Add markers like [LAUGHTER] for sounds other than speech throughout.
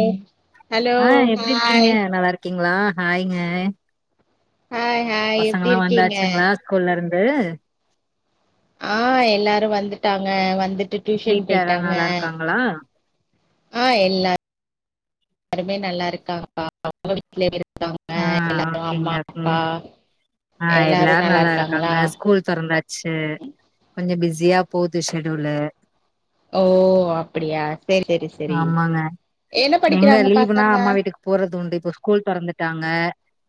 ம் hello hi ருக்கீங்களா ஹாய்ங்க அ ஹா பசங்கல்லா வந்தாச்சுங்களா ஸ்கூல்ல இருந்து ஆ எல்லாரு வந்துட்டாங்க வந்துட்டு டியூஷன் போயிட்டாங்க களா ஆ எல்லாருமே நல்லா இருக்காங்க அவங்க வீட்ல இருக்காங்க ஆ எல்லாரு ஓகேங்க அம்மா ஓகேங்க. அப்பா ஆ எல்லாரு நல்லா இருக்காங்க ஸ்கூல் தொறந்தா சரி கொஞ்ச பிஸியா போகுது ஷெடுலு ஓ அப்படியா சரி சரி ஆமாங்க. எங்க லீவுனா அம்மா வீட்டுக்கு போறது உண்டு இப்போ ஸ்கூல் தொறந்துட்டாங்க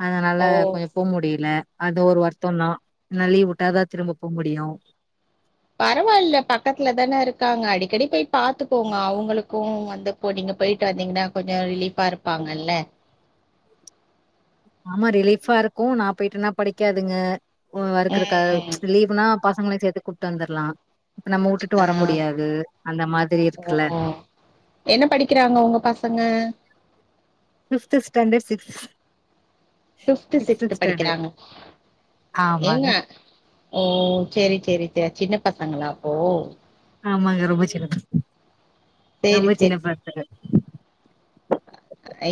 அதனால ஓ கொஞ் போ முடியல அது ஒரு வருத்த தா ஏனா லீவ் விட்டாதா திரும்ப போ முடியு பரவால்ல பக்கத்துல தான இருக்காங்க அடிக்கடி போய் பாத்துக்கோங்க அவங்களுக்கு வந்து இப்போ நீங்க போயிட்டு வந்தீங்ன்னா கொஞ்ச ரிலீஃபா இருப்பாங்கல்ல ஆமா ரிலீஃபா இருக்கு நா போயிட்டனா படிக்காதுங்க ஓ வொர்க்கு இருக்க ம் லீவ் னா பசங்களையு சேத்து கூட்டு வந்துரலா இப்ப நம்ம உட்டுட்டு வர ஆ முடியாது அந்த மாதிரி இருக்குல்ல ஓ என்ன படிக்கிறாங்க உங்க பசங்க fifth standard sixth fifth sixth படிக்கிறாங்க ஏங்க ஆமாங்க. ஓ சேரி சேரி சேரி சின்ன பசங்களா அப்போ ஆமாங்க ரொம்ப சின்ன பசங்க சரி ரொம்ப சின்ன சரி பசங்க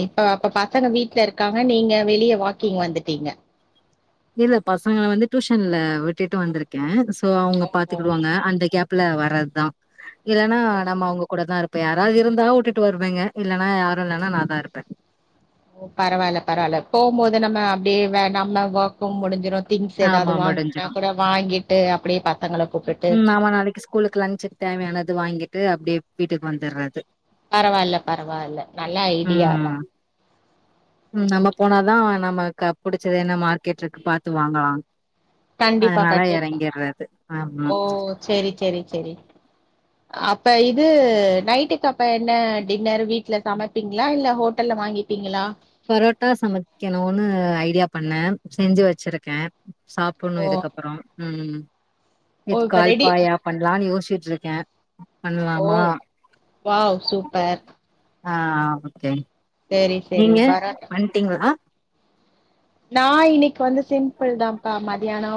இப்ப அப்ப பசங்க வீட்ல இருக்காங்க நீங்க வெளியே வாக்கிங் வந்துட்டீங்க இல்ல பசங்கள வந்து டியூஷன்ல விட்டுட்டு வந்திருக்கே சோ அவங்க ஓ ஓ பாத்துக்கிடுவாங்க அந்த கேப் ல வர்றதுதா இல்லன்னா நம்ம அவங்க கூட தா இருப்பே யாராவது இருந்தா விட்டுட்டு வருவேங்க இல்லன்னா யாரு இல்லன்னா நா தா இருப்பே ஓ பெரவால்ல பெரவால்ல போ போது நம்ம அப்டியே வேகாம ஒர்க்கு முடிஞ்சிரு திங்ஸ் ஏதாவது ஆமா முடிஞ்சிரும். வாங்கணும்னா கூட வாங்கிட்டு அப்டியே பங்கள கூப்டிட்டு ம் ஆமா நாளைக்கு ஸ்கூலுக்கு லஞ்சுக்கு தேவையானது வாங்கிட்டு அப்டியே வீட்டுக்கு வந்துடுறது பெரவால்ல பெரவால்ல நல்ல ஐடியாதா ம் [INAUDIBLE] ம் நம்ம போனாதா நமக்கு புடிச்சது என்ன மார்க்கெட் இருக்கு பாத்து வாங்கலா கண்டிப்பா அதனாலா கண்டிப்பா எறங்கிடுறது ஆமா ஓ செரி செரி செரி அப்ப இது நைட்டுக்கு அப்ப என்ன டின்னர் வீட்ல சமைப்பிங்களா இல்ல ஹோட்டல்ல வாங்கி பீங்களா போரோட்டா சமைக்கணும்னு ஐடியா பண்ணே செஞ்சு வச்சிருக்கே சாப் போணு ஓ இதுக்கப்பறோ ம் ஓ இது இப்ப ரெடி கால்பாயா பண்ணலான்னு யோசிச்ட்டு இருக்கே ஓ பண்லாமா வாவ் சூப்பர் ஆ ஓகே சரி சரி நீங்க பரோட்டா வண்ட்டீங்களா நா இன்னைக்கு வந்து சிம்பிள் தாப்பா மதியானோ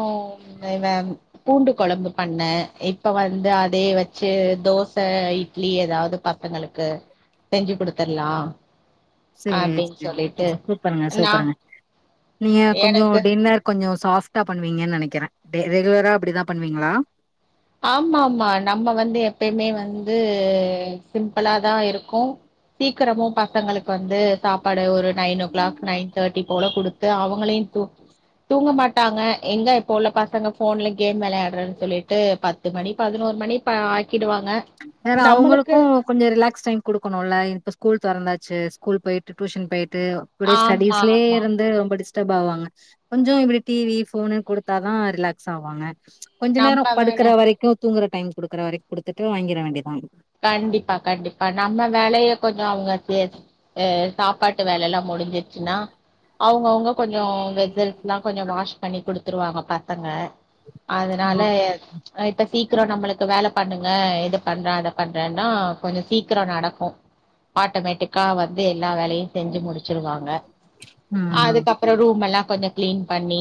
பூண்டு கொழம்பு பண்ணே இப்ப வந்து அதே வச்சு தோச இட்லி ஏதாவது ப அவுங்களுக்கு செஞ்சு கொடுத்தரலா சேரி சேரி சூப்பருங்க நா சூப்பருங்க நீங்க கொஞ்சோ எனக்கு டின்னர் கொஞ்சோ சாஃப்ட்டா பண்ணுவீங்கன்னு நெனைக்கிறே ரெகுலரா அப்டிதா பண்ணுவீங்களா ஆமா ஆமா நம்ம வந்து எப்பயுமே வந்து சிம்பிள்ளா தா இருக்கு சீக்கிரமு பசங்களுக்கு வந்து சாப்பாடு ஒரு nine o'clock nine thirty போல கொடுத் அவங்களையு தூங் தூங்க மாட்டாங்க எங்க இப்போ உள்ள பசங்க போன்ல கேம் வெளாடுறேன்னு சொல்லிட்டு பத்து மணி பதினோரு மணி இப்ப ஆக்கிடுவாங்க வேற நம்மளுக்கு அவங்களுக்கு கொஞ்சோ ரிலாக்ஸ் டைம் கொடுக்கணு இல்ல இப்ப ஸ்கூல் தொறந்தாச்சு ஸ்கூல் போயிட்டு டியூஷன் போயிட்டு இப்டியே ஆமா, ஸ்டடடிஸ்லேயே ஆமா. இருந்து ரொம்ப டிஸ் டிஸ்டர்ப் ஆவாங்க கொஞ்சோ இப்டி டிவி ஃபோன்னு கொடுத்தாதா ரிலாக்ஸ் ஆவாங்க கொஞ்ச நேரோ நம்ம வேல படுக்கற வரைக்கு தூங்குற டைம் கொடுக்குற வரைக்கு கொடுத்துட்டு வாங்கிட வேண்டியதா கண்டிப்பா கண்டிப்பா நம்ம வேலைய கொஞ்சோ அவங்க ச அ சாப்பாட்டு வேல எல்லா முடிஞ்சிருச்சுன்னா அவங்கவுங்க கொஞ்சோ வெஸ்ஸல் எல்லா கொஞ்சோ வாஷ் பண்ணி கொடுத்துருவாங்க பசங்க அதனால இப்ப சீக்கிரோ நம்மளுக்கு வேல பண்ணுங்க இது பண்றா அத பண்றேன்னா கொஞ்சோ சீக்கிகரோ நடக்கு ஆட்டமேட்டிக்கா வந்து எல்லா வேலையு செஞ்சு முடிச்சிருவாங்க ம் அதுக் அப் அப்றோ ரூம் எல்லா கொஞ்சோ கிளீன் பண்ணி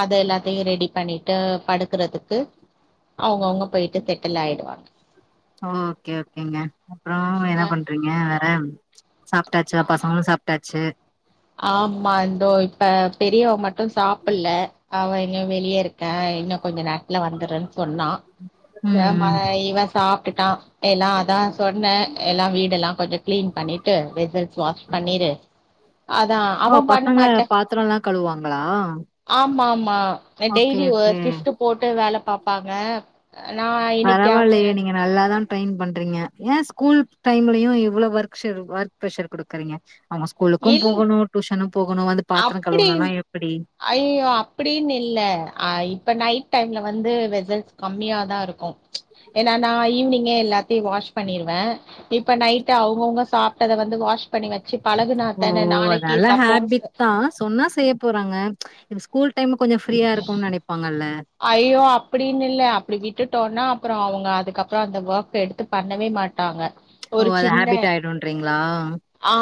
அது எல்லாத்தையு ரெடி பண்ணிட்டு படுக்குறதுக்கு அவுங்க அவுங்க போயிட்டு செட்டில் ஆயிடுவாங்க ஓகே ஓகேங்க அப்றோ என்ன அஹ் பண்றீங்க வேற சாப்பிட்டாச்சா பசங்களு சாப்பிட்டாச்சு ஆமா இந்தோ இப்ப பெரியவ மட்டு சாப்பல்ல அவ எங்க வெளியே இருக் கா இன்னும் கொஞ்ச நேரத்துல வந்தர்றன்னு சொன்னா ம் ம் இவ சாப்ட்டுட்டா எல்லா அதா சொன்னே எல்லா வீடல்லா கொஞ்சோ கிளீன் பண்ணிட்டு வெசல்ஸ் வாஷ் பண்ணிரு அதா ஓ அவ பண்ண பசங்க பாத்தரோல்லா கழுவாங்களா ஆமாமா ஓகே டெய்லி ஓகே சிப்டு போட்டு வேல பாப்பாங்க நா இன்னைக்கு அவ பரவால்லயே நீங்க நல்லா தா ட்ரெயின் பண்றீங்க ஏன் ஸ்கூல் டைம்லயு இவளோ வொர் ஷெட்யூல் ஒர்க் ப்ரஷர் குடுக்குறீங்க அவுங்க ஸ்கூலுக்கு இல் போகணு டியூஷனு போகணு வந்து பாத்தரம் கழுவணுன்னா எப்பிடி அய்யோ அப்படின்னு இல்ல அ இப்ப நைட் டைம்ல வந்து வெசல் கம்மியா தா இருக்கு ஏன்னா நா ஈவி்னிங்கே எல்லாத்தையு வாஷ் பண்ணிருவே இப்ப நைட்டு அவங்கவுங்க சாப்பிட்டத வந்து வாஷ் பண்ணி வச்சு பழக் ஓ ஓ நல்ல ஹாப்பிட் தா சொன்னா செய்ய போறாங்க இது ஸ்கூல் டைம் கொஞ்சோ ஃப்ரீயா இருக்குன்னு நெனைப்பாங்கல்ல ஐயோ அப்பிடின்னு இல்ல அப்படி விட்டுட்டோன்னா அப்புறோ அவங்க அதுக்கப்புறோ அந்த ஒர்க் எடுத்து பண்ணவே மாட்டாங்க ஓ ஒரு அது சின்ன ஹாபிட்டா ஆயிடுன்றீங்களா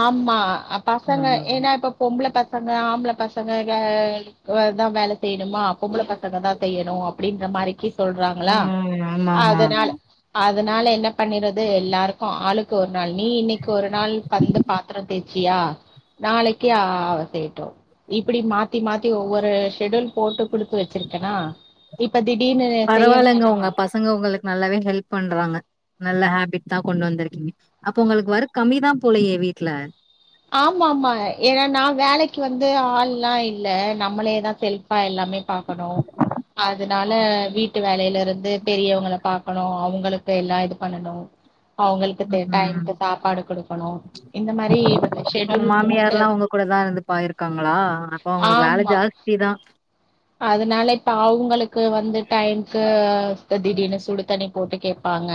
ஆமா பசங்க ஏன்னா இப்ப பொம்பள பசங்க ஆம்பள பசங்க வே அதா வேலைக் செய்யணுமா பொம்பள பசங்க தா செய்யணு அப்படின்ற மாரிக்கி சொல்றாங்ளா ஆமா ஆமா அதனால ஆமா. அதனால என்ன பண்ணிறது எல்லாருக்கு ஆளுக்கு ஒரு நாள் நீ இன்னைக்கி ஒரு நாள் வந்து பாத்திரம் தேச்சியா நாளைக்கா ஆ செய்யட்டு இப்படி மாத்தி மாத்தி ஒவ்வொரு ஷெடூல் போட்டு குடுத்து வச்சிருக்கேனா இப்ப திடீர்னு செய்ய வேனா ஏங்க உங்களுக்கு நல்லாவே ஹெல்ப் பண்றாங்க நல்ல ஹாபிட் தா கொண்டு வந்திருக்கீங்க அப்ப உங்களுக்கு ஓர்க் கம்மிதா போலையே வீட்ல ஆமாமா ஏன்னா நா வேலைக்கி வந்து ஆள்லா இல்ல நம்மளேதா செல் ஃபா எல்லாமே பாக்கணு அதனால வீட்டு வேலையிலருந்து பெரியவங்களா பாக்கணு அவங்களுக்கு எல்லா இது பண்ணணு அவங்களுக்கு ம் ம். டைமுக்கு சாப்பாடு குடுக்கணு இந்த மாரி வந்து உங்க ஷெட்யூல் போட்டு மாமியார்ல்லா உங்க கூட தா இருந்து பாயிருக்காங்களா அப்ப ஊங்களுக்கு வேல ஆமா. ஜாஸ்தி தா அதனால இப்ப அவங்களுக்கு வந்து டைம் சோ இப்ப திடீர்னு சுடு தண்ணி போட்டு கேட்பாங்க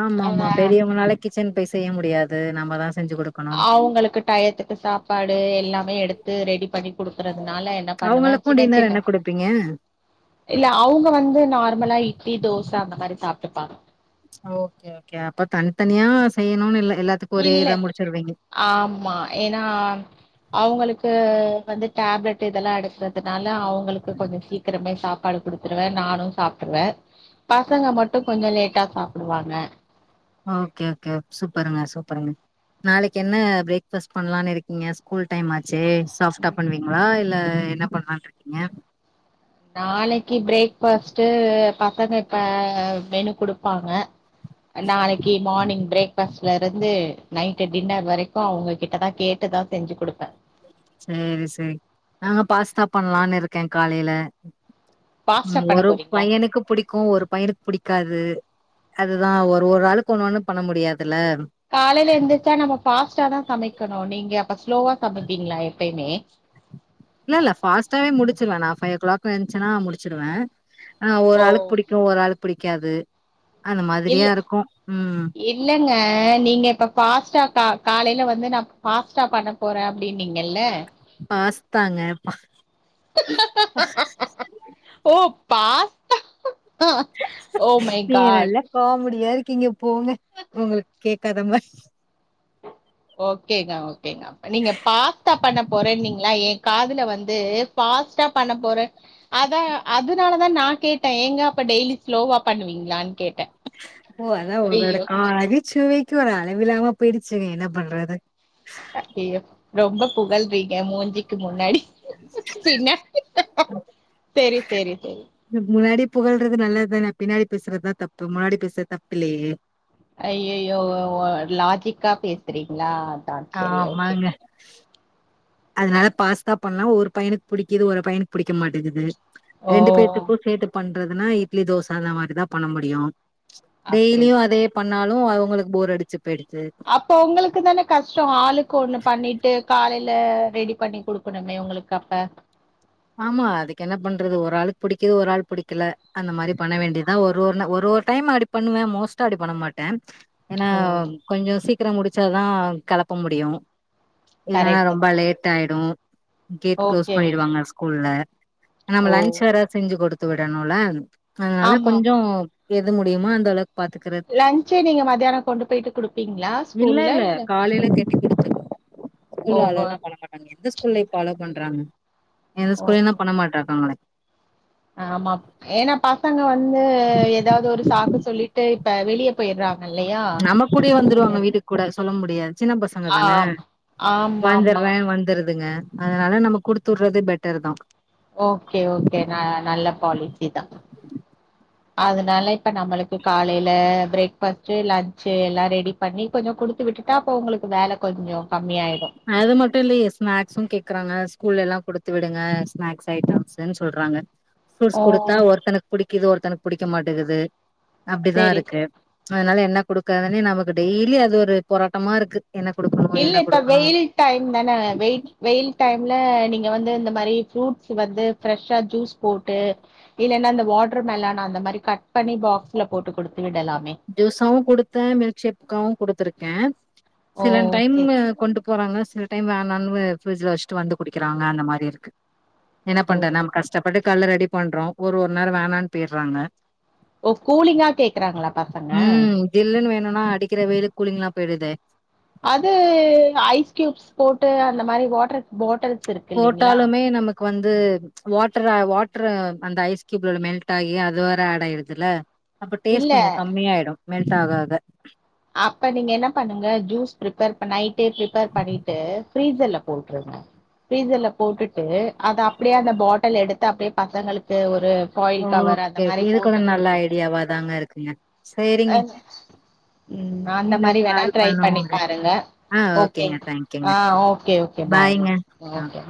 ஆமா அத ஆமா பெரியவங்கனால கிச்சன் போய் செய்ய முடியாது நம்ம தா செஞ்சு குடுக்கணு அவங்களுக்கு டயத்துக்கு சாப்பாடு எல்லாமே எடுத்து ரெடி பண்ணி குடுக்குறதுனால என்ன பண்ணுவ அவங்களுக்கு சின்ன டின்னர் என்ன சின்ன குடுப்பீங்க இல்ல அவங்க வந்து நார்மலா இட்லி தோச அந்த மாரி சாப்ட்டுப்பாங்க ஓகே ஓகே அப்ப தனித்தனியா செய்யணுன்னு இல்ல எல்லாத்துக்கு ஒரே இல்ல இதா இல்ல முடிச்சிருவீங்க ஆமா ஏன்னா அவங்களுக்கு வந்து டேப்லட் இதெல்லா எடு க்கறதுனால அவங்களுக்கு கொஞ்சோ சீக்கிரமே சாப் பாடு குடுத்துருவே நானு சாப்ட்டுருவே பசங்க மட்டு கொஞ்சோ லேட்டா சாப்புடுவாங்க ஓகே ஓகே சூப்பருங்க சூப்பருங்க நாளைக்கு என்ன பிரேக் பாஸ்ட் பண்ணலான்னு இருக்கீங்க ஸ்கூல் டைம் ஆச்சே பாஸ்ட்டா பண்ணுவீங்களா இல்ல என்ன பண்ணலா இருக்கீங்க நாளைக்கு பிரேக்பாஸ்ட்டு பசங்க இப்ப மேனு குடுப்பாங்க நாளைக்கி மார்னிங் பிரேக்பாஸ்ட்ல இருந்து நைட் டின்னர் வரைக்கூ அவங்க கிட்டதா கேட்டுதா செஞ்சு கொடுப்பே ம் சேரி நா பாஸ்தா பண்ணலான் இருக்கே காலையில ம் பாஸ்டா பண்ண ஒரு போறீங்களா பையனுக்கு புடிக்கூ ஒரு பையனுக்கு புடிக்காது அதுதா ஒரு ஒரு ஆளுக்கு ஒண்ணு ஒண்ணூ பண்ண முடியாதுல்ல காலையில எந்திரச்சா நம்ம ஃபாஸ்ட்டா தா சமைக்கணூ நீங்க அப்ப ஸ்லோவா சமைப்பீங்களா எப்பய்மே இல்ல இல்ல ஃபாஸ்டவே முடிச்சுடுவே நான் ஃபைவ் ஓ கிளாக் எந்துச்சன்னா முடிச்சடுவே ஆ ஒரு ஓ ஆளுக் புடிக் ஒரு ஆள் பிடிக்காது அந்த மாதிரியா இல்ல இருக்கூ ம் இல்லங்க நீங்க இப்போ ஃபாஸ்ட்டா கா காலையில்ல வந்து நா ஃபாஸ்ட்டா பண்ண போறே அப்படின்னீங்கள்ல்ல பாஸ்தாங்க பா பா ஓ பாஸ்தா ஓ மை நீங்க காட் நல்லா காமெடியா இருக்கீங்க போங்க உங்களுக்கு கேக்காத மாதிரி ஓகேங்கா ஓகேங்கா நீங்க பாஸ்தா பண்ண போறோன்னிங்களா என் காதுல வந்து ஃபாஸ்ட் பண்ண போறோ அதா அதுனாலதா நா கேட்டே ஏங்க அப்ப டெய்லி ஸ்லோவா பண்ணுவீங்களான்னு கேட்டே ஓ அதா ஒரு வேர்டு ஐயோ ஆ நகைசுவைக்கு ஒரு அளவிலாம போயிடுச்சுங்க என்ன பண்றது ஆ ஐய்யய்யோ ரொம்ப புகல்றீங்க மூஞ்சுக்கு முன்னாடி பின்ன செரி செரி செரி இந்த முன்னாடி புகழ்றது நல்லதான பின்னாடி பேசுறதுத்தா தப்பு முன்னாடி பேசறது தப்புல்லியே ஐய்யய்யோ லாஜிக்கா பேசுறீங்களா அதான் ஆ சரி ஓகே மாங்க அதனால பாஸ்தா பண்லா ஒரு பையனுக்கு பிடிக்குது ஒரு பையனுக்கு பிடிக்க மாட்டேகிது ஓ ரெண்டு பேத்தக்கூ சேர்த்து பண்றத்துன்னா இட்லி தோச அந்த மாரிதா பண்ண முடியூ அப்படி டெய்லியூ அதே பண்ணாலூ அவங்களுக்கு போர் அடிச்சு போயிடுச்சு அப்போ உங்களுக்கு தானே கஷ்டோ ஆளுக்கு ஒன்னு பண்ணிட்டு காலையில ரெடி பண்ணி கொடுக் கனுமே உங்களுக்கு அப்ப ஆமா அதுக்கு என்ன பண்றது ஒரு ஆளுக்கு பிடிக்குது ஒரு ஆள் பிடிக்கல அந்த மாரி பண்ண வேண்டியத்தா ஒரு ஒருன்ன ஒரு ஒரு டைம் அப்டி பண்ணுவே மோஸ்ட்டா அப்டி பண்ண மாட்டே ஏன்னா ஓ கொஞ்சொ சீக்கிரம் முடிச்சா தா கெலப்ப முடியூ இல்ன்னா கரெக்ட் ரொம்ப தான் லேட் ஆயிடும் கேட் கு்ளோஸ் ஓகே ஓகே பண்ணிடுவாங்க ஸ் கூல்ல நம்ம ஓ லன்ச் வேரா செஞ்சு கொடுத்து விடணுன்ல அதனால ஆமா கொஞ்சொ ஆமா எது முடியுமா அந்த அளவுக் பாத்துக்கிறத் லஞ்சே நீங்க மத்தியானம் கொண்டு போயிட்டு கொடுப்பீங்களா இல்ல ஸ்கூல்ல இல்ல காலையில கெட்டிக்குடுத்துக் ஸ்கூல்ல ஓஹோ ‌அலோலா பண்ண மாட்டாங்க எந்த ஸ்கூல்ல ‌இப்ப அலோ பண்றாங்க எந்த ஸ்கூல்ய ஓ தா பண்ண மாட்றாங்ககளோ ஆமா ஏன்னா பசங்க வந்து ஏதாவது ஒரு சாக்கு சொல்லிட்டு இப்ப வெளிய போயிடுறாங்க இல்லையா நம்ம கூடைய ஸ்கூல்ல வந்துருவாங்க இருந்து வீட்டுக்கு கூட சொல்ல முடியாத் சின்ன பசங்க தானே ஆம் ஆமா ஆமா வந்துற்றே வந்திடுதுங்க அதனால நம்ம குடுத்து விடறது பெட்டர் தா ஓகே ஓகே ந நல்ல பாலிசி தா [INAUDIBLE] அதனால இப்ப நம்பளுக்கு காலையில பிரேக்பாஸ்ட் லன்ஞ்ச்சு எல்லாம் ரெடி பண்ணி கொஞ்சொ கொடுத்து விட்டுட்டா அப்ப உங்களுக்கு வேல கொஞ்சொ கம்மி ஆயிடும் அது மட்டூ இல்லையே ஸ்நாக்ஸும் கேக்குறாங்க ஸ்கூல்ல எல்லா கொடுத்து விடுங்க ஸ்நாக்ஸ் ஐட்டம்ஸ்ன்னு சொல்றாங்க ப்ரூட்ஸ் ஓ குடுத்தா ஒருத்தனுக்கு புடிக்குது ஒருத்தனுக்கு பிடிக்க மாட்டேங்கது அப்படிதா செரி செரி இருக்கு அதனால என்ன கொடுக்கதுனே நமக்கு டெய்லி அது ஒரு போராட்டமா இருக்கு என்ன குடுக்கணு இல்ல என்ன இப்ப குடுக் வெயில் டைம் தானே வெயில் வெயில் டைம்ல நீங்க வந்து இந்த மாரியப்பன் ஃப்ரூட்ஸ் வந்து ஃபிரெஷ்ஷா ஜூஸ் போட்டு இல்லன்னா அந்த வாட்டர் மெலானா அந்த மாரி கட் பண்ணி பாகஸ்ல போட்டுக் குடுத்துவிடலாமே ஜூஸாவவு குடுத்தே மில்க் ஷேக்காவவு குடுத்துருக்கே ஓ சில டைம் சேரி கொண்டு போறாங்க சில டைம் வேணாலனு பிரிட்ஜல வச்சுட்டு வந்து குடிக்கிறாங்க அந்த மாரி இருக்கு என்ன ஓ பண்றது நம்ம கஷ்டப்பட்டு கால்ஷ ரெடி பண்றோ ஒரு நேரோ வேணான்னு போயிடுறாங்க ஓ கூலிங்கா கே உம் ஜில்லுன்னு வேணுனா அடிக்கிற வெயிலுக்கு கூலிங்க எல்லா போயிடுதே அது ஐஸ் கியூப்ஸ் போட்டு அந்த மாரி வாட்டர் பாட்டில்ஸ் இருக்கு இல்லலைங்களா அதுக்கு வந்து ம்ச் வாட்டர் வாட்டரு அந்த ஐஸ் கயூப்ல மெல்ட் ஆகி அதுவரே ஆட் ஆயிடுது இல்ல அப்ப டேஸ்ட் இல்ல கொஞ்சு கம்மியாயிடு மெல்ட் ஆக ஆக அப்ப நீங்க என்ன பண்ணுங்க ஜூஸ் ப்ரிப்பேர் நைடே ப்ரிப்பேர் பண்ணிட்டு ஃபிரீசர்ல போட்டுருங்க ஃப்ரீஸர்ல போட்டுட்டு அத அப்படியே அந்த பாட்டல் எடுத்து அப்படியே பசங்களுக்கு ஒரு ஃபாயில் கவர் அந்த ஓகே. மாரி இது கூட போட்டு நல்ல குடுக்கு ஐடியாவா தாங்க இருக்குங்க. ஆ சரிங்க. ம் அந்த இன்னும் மாரி வேணா கால் ட்ரை பண்ணி பண்ணுவோங்க. பாருங்க ஆ ஓக்கே ஓகேங்க. தேங்க்யூங்க. ஆ ஓக்கே ஓக்கே பாய்ங்க. பாய்மா ஆ. ஓக்கே